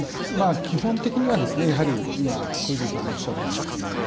基本的にはやはり今小泉さんがおっしゃったようにですね